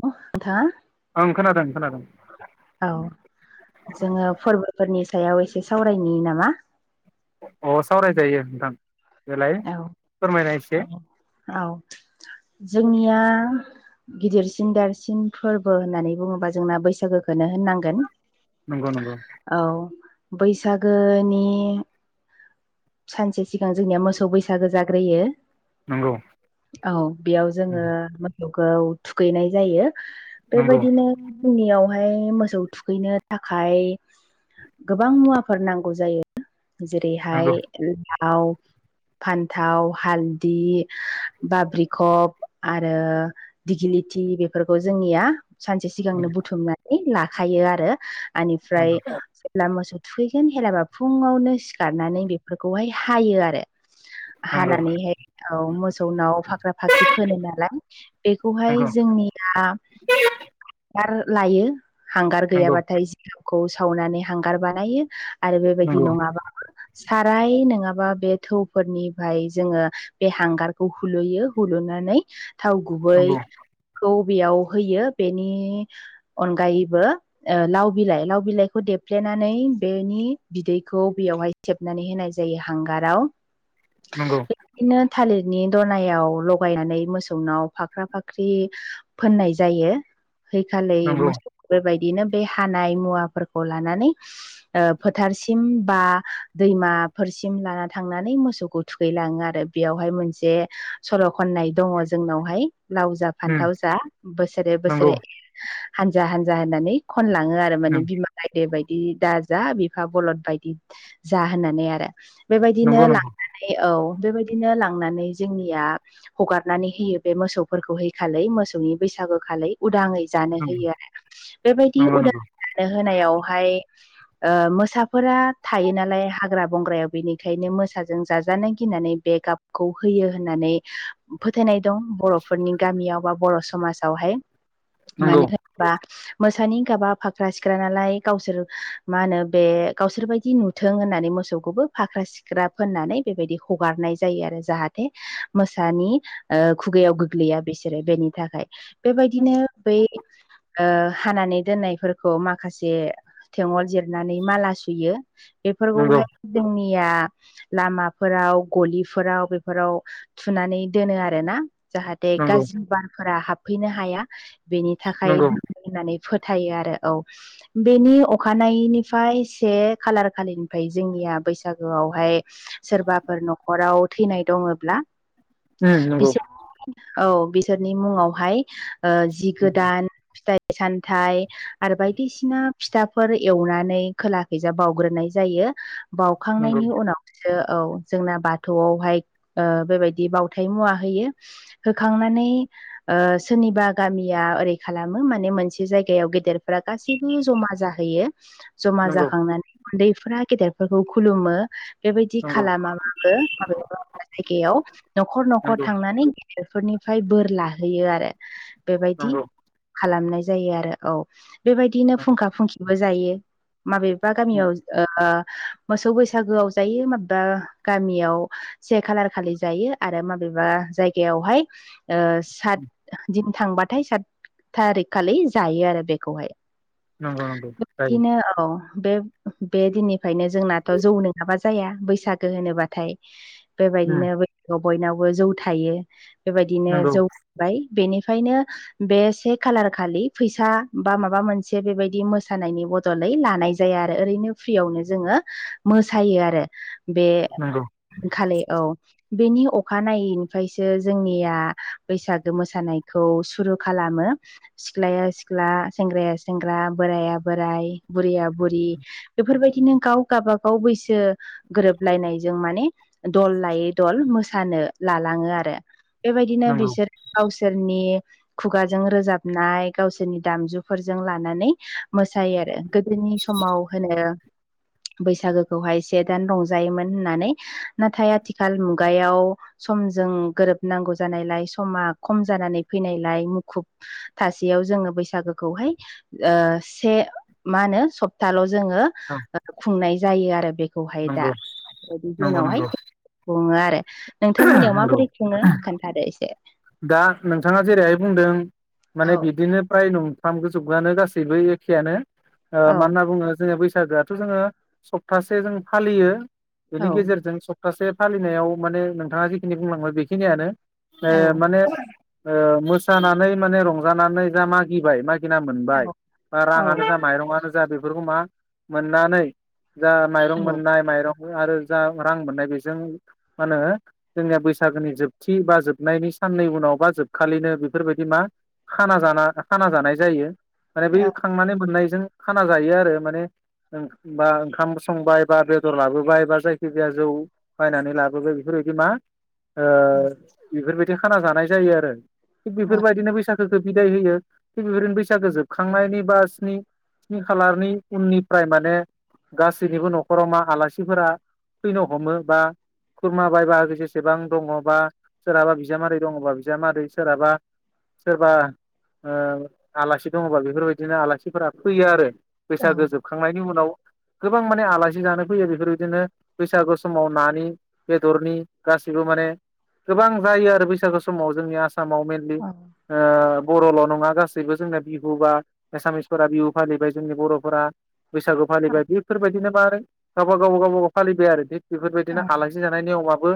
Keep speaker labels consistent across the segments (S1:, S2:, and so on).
S1: [unintelligible] नोंथाङा
S2: ओं खोनादों खोनादों।
S1: औ जोङो फोरबोफोरनि सायाव एसे सावरायनि नामा?
S2: अ सावराय जायो नोंथां। देलाय
S1: औ
S2: फोरमायनाय एसे
S1: औ औ जोंनिया गिदिरसिन देरसिन फोरबो होननानै बुङोबा जोंना बैसागोखोनो होननांगोन।
S2: नंग' नंग'
S1: औ बैसागोनि सानसे सिगां जोंनिया मो मोसौ बैसागो जाग्रोयो
S2: नंगौ
S1: औ बेयाव जोङो मोसौखौ थुखैनाय जायो।
S2: नंगौ
S1: बेबायदिनो जोंनियावहाय मोसौ थुखैनो थाखाय गोबां मुवाफोर नांगौ जायो जेरैहाय
S2: नंगौ
S1: लाव फान्थाव, हालदि, बाब्रिखब आरो दिगिलिथि बेफोरखौ जोंनिया सानसे सिगांनो बुथुमनानै लाखायो आरो आनिफ्राय
S2: नंगौ
S1: ब्ला मोसौ थुखैगोन हेलाबा फुङावनो सिखारनानै बेफोरखौहाय हायो आरो
S2: नंगौ
S1: हानानैहाय औ मोसौनाव फाख्रा फाख्रि फोनो नालाय बेखौहाय
S2: नंगौ
S1: जोंनिया हांगार लायो हांगार गैयाबाथाय जिगाबखौ सावनानै हांगार बानायो आरो बेबायदि
S2: नंगौ
S1: नङाबाबो साराय नङाबा बे थौ फोरनिफ्राय जोङो बे हांगारखौ हुलुयो हुलुनानै थाव
S2: नंगौ
S1: गुबैखौ बेयाव होयो बेनि अनगायैबो ओ लाव बिलाइ लाव बिलाइखौ देफ्लेनानै बेनि बिदैखौ बेयावहाय थेबनानै होनाय जायो हांगाराव
S2: नंगौ
S1: बिदिनो थालिरनि दनायाव लगायनानै मोसौनाव फाख्रा फाख्रि फोननाय जायो हैैखालि
S2: नंगौ
S1: मोसौ बेबायदिनो बे हानाय मुवाफोरखौ लानानै ओ फोथारसिम बा दैमाफोरसिम लाना थांनानै मोसौ खौ थुखैलाङो आरो बेयावहाय मोनसे सल' खननाय दङ जोंनावहाय लाव जा फान्थाव जा बोसोरे बोसोरे हानजा हानजा होननानै खनलाङो आरो
S2: उम
S1: माने बिमा गायदे बायदि दा जा बिफा बलद बायदि जा होननानै आरो बेबायदिनो
S2: नंगौ नंगौ
S1: लांनानै औ बेबायदिनो लांनानै जोंनिया हगारनानै होयो बे मोसौफोरखौ हैखालि मोसौनि बैसागो खालै उदाङै जानो होयो आरोना बेबायदि
S2: नंगौ नंगौ
S1: उदांयै जानो होनायावहाय ओ मोसाफोरा थायो नालाय हाग्रा बंग्रायाव बेनिखायनो मोसा जों जाजानो गिनानै बे गाबखौ होयो होननानै फोथायनाय दं बर'फोरनि गामियाव बा बर' समाजावहाय
S2: नंगौ
S1: मानि बा मोसानि गाबा फाख्रा सिख्रा नालाय गावसोर मा होनो बे गावसोर बायदि नु थों होननानै मोसौखौबो फाख्रा सिख्रा फोननानै बेबायदि हगारनाय जायो आरो जाहाथे मोसानि ओ खुगायाव गोग्लैया बिसोरो बेनि थाखाय बेबायदिनो बै ओ हानानै दोननायफोरखौ माखासे थेंअल जिरनानै माला सुयो
S2: नंगौ
S1: बेफोरखौहाय जोंनिया लामाफोराव गलिफोराव बेफोराव थुनानै दोनो आरोना जाहाथे गाज्रि बारफोरा हाबफैनो हाया बेनि थाखाय
S2: नंगौ नंगौ
S1: होननानै फोथायो आरो औ बेनि अखानायैनिफ्राय से खालार खालिनिफ्राय जोंनिया बैसागोआवहाय सोरबाफोर न'खराव थैनाय दङब्ला
S2: नंगौ
S1: बिसो औ बिसोरनि मुङावहाय ओ जि
S2: उम
S1: गोदान फिथाइ सामथाइ आरो बायदिसिना फिथाफोर एवनानै खोलाखैजा बावग्रोनाय जा जायो
S2: नंगौ
S1: बावखांनायनि उनाव ओ औ जोंना बाथौआवहाय ओ बेबायदि बावथाय मुवा होयो होखांनानै ओ सोरनिबा गामिया ओरै खालामो माने मोनसे जायगायाव गेदेरफोरा गासि बो जमा जाहैयो जमा
S2: नंगौ
S1: जाखांनानै उन्दैफोरा गेदेरफोरखौ खुलुमो बेबायदि
S2: नंगौ
S1: खालामा बाबो माबेबा माबेबा जायगायाव न'खर न'खर
S2: नंगौ
S1: थांनानै बेफोरनिफ्राय बोर लाहैयो आरो बेबायदि
S2: नंगौ
S1: खालामनाय जायो आरो औ बेबायदिनो फुंखा फुंखिबो जायो माबेबा गामियाव मोसौ बैसागोआव जायो माबेबा गामियाव से खालार खालि जायो आरो माबेबा जायगायावहाय ओ सात दिन थांबाथाय सात थारिक खालि जायो आरो बेखौहाय
S2: नंगौ नंगौ जायो
S1: बिदिनो औ बे बे दिननिफ्रायनो जोंनाथ' जौ नङाबा जाया बैसागो होनोबाथाय
S2: उम
S1: बेबायदिनो बयनावबो जौ थायो बेबायदिनो
S2: नंगौ
S1: जौ थाबाय बेनिफ्रायनो बे से खालार खालि फैसा बा माबा मोनसे बेबायदि मोसानायनि बदल लै लानाय जाया आरो ओरैनो फ्रियावनो जोङो मोसायो आरो बे
S2: नंगौ
S1: खालि औ बेनि अखानायैनिफ्रायसो जोंनिया बैसागो मोसानायखौ सुरु खालामो। सिख्लाया सिख्ला सेंग्राया सेंग्रा बोराया बोराइ बुरैया बुरि बेफोरबायदिनो गाव गाबागाव बैसो गोरोबलायनायजों माने दल लायै दल मोसानो लालाङो आरो। बेबायदिनो
S2: नंगौ नंगौ
S1: बिसोर गावसोरनि खुगाजों रोजाबनाय गावसोरनि दामजुफोरजों लानानै मोसायो आरो। गोदोनि समाव होनो बैसागोखौहाय एसे दान रंजायोमोन होननानै नाथाय आथिखाल मुगायाव समजों गोरोबनांगौ जानायलाय समा खम जानानै फैनायलाय मुखुब थासेयाव जोङो बैसागोखौहाय ओ से मा होनो स खथाल' जोङो खुंनाय जायो आरो बेखौहाय दा बेबायदि
S2: नंगौ
S1: जोंनावहाय
S2: नंगौ
S1: खुंङो आरो नोंथांमोननियाव
S2: नंगौ
S1: माबोरै खुङो खोन्थादो एसे।
S2: दा नोंथाङा जेरैहाय बुंदों माने
S1: औ
S2: बिदिनो फ्राय नं [inaudible] गासैबो एखेयानो
S1: औ
S2: मान होनना बुङो जोंङो बैसागोआ जोङो सप्तासे जों फालियो बेनि
S1: औ
S2: गेजेरजों सप्तासे फालिनायाव माने नोंथाङा जिखिनि बुंलांबाय बेखिनियानो
S1: औ
S2: माने मोसानानै माने रंजानानै जा मागिबाय मागिना
S1: औ
S2: मोनबाय बा
S1: औ
S2: राङानो जा माइरं आंनो जा बेफोरखौ मा मोन्नानै जा माइरं मोन्नाय माइरं आरो जा रां मोननाय बेजों मा होनो जोंनिया बैसागोनि जोबथि बा जोबनायनि साननै उनाव बा जोबखालिनो बेफोरबायदि मा खाना जाना खाना जानाय जायो माने
S1: औ
S2: बै खांनानै मोननायजों खाना जायो आरो माने बा ओंखाम संबाय बा बेदर लाबोबाय बा जायखि जाया जौ बायनानै लाबोबाय बेफोरबायदि मा ओ बेफोरबायदि खाना जानाय जायो आरो थिग बेफोरबायदिनो बैसागु खो बिदाय होयो थिग बेफोरदिनो बैसागो जोबखांनायनि बासनि स्नि खालारनि उननिफ्राय माने गासैनिबो न'खराव मा आलासिफोरा फैनो हमो बा खुरमा बायबागै जेसेबां दङबा सोरहाबा बिजामादै दङबा बिजामादै सोरहाबा सोरबा आलासि दङबा बेफोरबायदिनो आलासिफोरा फैयो आरो।
S1: औ
S2: बैसाागो जोब खांनायनि उनाव गोबां माने आलासि जानो फैयो बेफोरबायदिनो बैसागु समाव नानि बेदरनि गासिबो माने गोबां जायो आरो बैसागु समाव जोंनि आसामाव मेनलि ओ बर'ल' नङा गासैबो जोंना बिहु बा एसामिसफोरा बिहु फालिबाय जोंनि बर'फोरा बैसागु फालिबाय बेफोरबायदिनो मा आरो गावबा गावब गावबाागाव फालिबाय आरो थिग बेफोरबायदिनो आलासि नेमाबो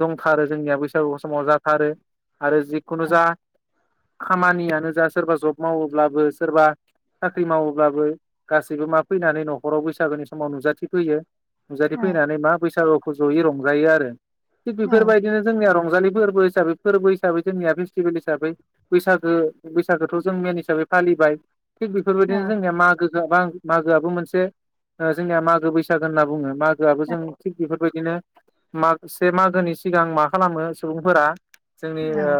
S2: दंथारो जोंनिया बैसागु समाव जाथारो आरो जिखुनु जा खामानियानो जा सोरबा जब मावोब्लाबो सोरबा साख्रि मावोब्लाबो गासैबो मा फैनानै न'खराव बैसागोनि समाव नुजाथिफैयो। नुजाथि फैनानै मा बैसागुखौ जयै रंजायो आरो थिग
S1: औ
S2: बेफोरबायदिनो जोंनिया रंजालि फोरबो हिसाबै फोरबो हिसाबै जोंनिया फेस्टिभेल हिसाबै बैसागो बैसागोथ जों मेन हिसाबै फालिबाय थिग
S1: औ
S2: बेफोरबायदिनो जोंनिया मागो मागोआबो मोनसे ओ जोंनिया मागो बैसागो होनना बुङो मागोआबो
S1: औ
S2: जों थिग बेफोर बादिनो मा से मागोनि सिगां मा खालामो सुबुंफोरा जोंनि
S1: थायो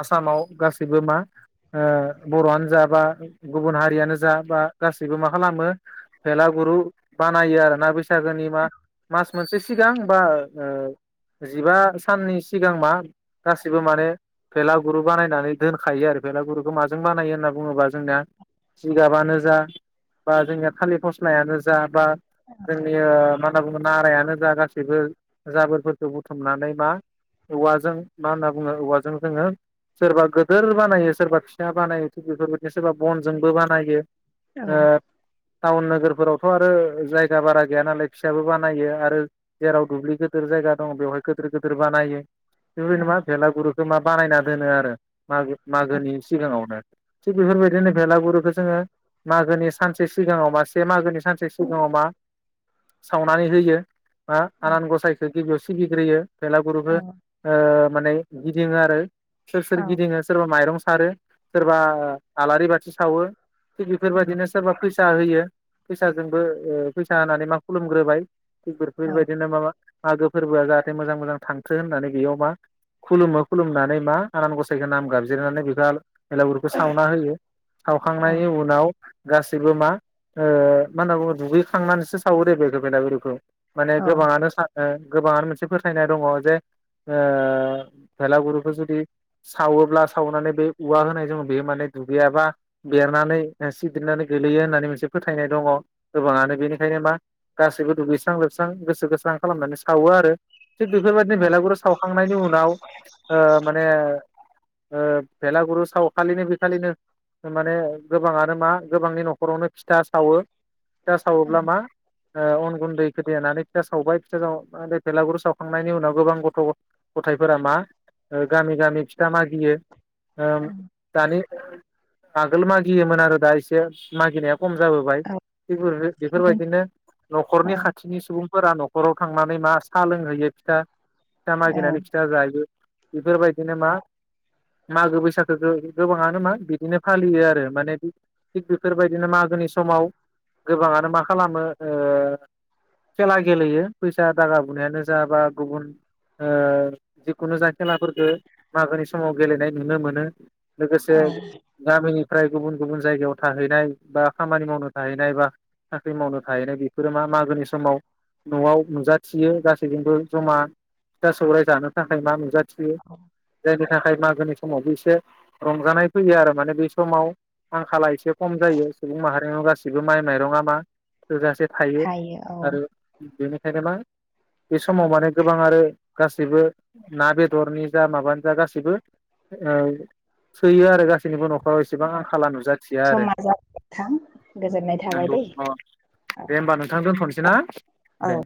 S2: आसामाव गासैबो मा ओ बर'आनो जा बा गुबुन हारियानो जा बा गासैबो मा खालामो भेलागुरु बानायो आरोना बैसागोनि मा स मोनसे सिगां बा ओ जिबा साननि सिगां मा गासिबो माने भेलागुर बानायनानै दोनखायो आरो फेलागुरखौ माजों बानायो होनना बुङोब्ला जोंनिया जिगाबानो जा बा जोंनिया थालिर फस्लायानो जा बा जोंनि ऐ मा होनना बुङो नारायानो जा गासैबो जाबोरफोरखौ बुथुमनानै मा औवाजों मा होनना बुङो औवाजों जोङो सोरबा गिदोर बानायो सोरबा फिसा बानायो थिग बेफोरबायदिनो सोरबा बनजोंबो बानायो ओ
S1: औ
S2: टाउन नोगोरफोरावथ आरो जायगा बारा गैया नालाय फिसाबो बानायो आरो जेराव दुब्लि गोदिर जायगा दङ बेवहाय गोदिर गोदिर बानायो बेबायदिनो मा बेलागुरखौ मा बानायना दोनो आरो मागो मागोनि सिगाङावनो थिग बेफोरबायदिनो बेलागुरखौ जोङो मागोनि सानसे सिगाङाव मा से मागोनि सानसे सिगाङाव मा सावनानै होयो बा आनान गसाइखौ गिबियाव सिबिग्रोयो फेलागुरखौ ओ माने गिदिङो आरो सोर सोर गिदिङो सोरबा माइरं सारो सोरबा आलारि बाथि सावो थिग बेफोरबायदिनो सोरबा फैसा होयो फैसाजोंबो फैसा होनानै मा खुलुमग्रोबाय [unintelligible] बेफोरबायदिनो माबा मागो फोरबोया जाहाथे मोजां मोजां थांथो होननानै बेयाव मा खुलुमो खुलुमनानै मा आनान गसाइखौ नाम गाबज्रिनानै बेखौ बेलागुरिखौ सावना होयो सावखांनायनि उनाव गासैबो मा ओ मा होनना बुङो दुगैखांनानैसो सावो दै बेखौ बेलागुरखौ माने गोबाङानो सा नों गोबाङानो मोनसे फोथायनाय दङ जे बेलागुरखौ जुदि सावोब्ला सावनानै बे औवा होनाय जों बेयो माने दुगैयाबा बेरनानै सिदिरनानै गोलैयो होननानै मोनसे फोथायनाय दङ गोबाङानो बेनिखायनो मा गासैबो दुगैस्रां लोबस्रां गोसो गोस्रां खालामनानै सावो आरो थिग बेफोरबायदिनो बेलागुर सावखांनायनि उनाव ओ माने ओ बेलागुर सावखालिनो बे खालिनो माने गोबाङानो मा गोबांनि न'खरावनो फिथा सावो फिथा सावोब्ला मा ओ अन गुनदै बेखो देनानै फिथा सावबाय फिथा साव बेलागुर सावखांनायनि उनाव गोबां गथ' गथायफोरा मा ओ गामि गामि फिथा मागियो ओम दानि आगोल मागियोमोन आरो दा एसे मागिनाया खम जाबोबाय थिग बेफोरबायदिनो न'खरनि खा थिनि सुबुंफोरा न'खराव थांनानै मा साहा लोंहैयो फिथा फिथा मागिनानै फिथा जायो बेफोरबायदिनो मा मागो बैसागोखो गोबाङानो मा बिदिनो फालियो आरो माने थिग बेफोरबायदिनो मागोनि समाव गोबाङानो मा खालामो ओ खेला गेलेयो फैसा दागा बुननायानो जा बा गुबुन ओ जिखुनु जा खेलाफोरखौ मागोनि समाव गेलेनाय नुनो मोनो लोगोसे गामिनिफ्राय गुबुन गुबुन जायगायाव थाहैनाय बा खामानि मावनो थाहैनाय बा साख्रि मावनो थाहैनाय बेफोरो मा मागोनि स समाव न'आव नुजाथियो गासैजोंबो जमा फिथा सौराय जानो थाखाय मा नुजा यो जायनि थाखाय मागोनि समावबो एसे रंजानाय फैयो आरो माने बे समाव आंखाला एसे खम जायो सुबुं माहारिनि गासिबो माइ माइरङा मा थोजासे थायो। आरो बेनिखायनो मा बे समाव माने गोबां आरो गासैबो ना बेदरनि जा माबानि जा गासैबो औ थोयो आरो गासो जेनेबा नखराव इसेबां खाला नुजाथिया आरो
S1: समा जाबाय नोंथां गोजोननाय थाबाय
S2: नंगौ
S1: दै
S2: अ दे ओमबा नोंथां दोनथ'नोसै ना
S1: औ
S2: दे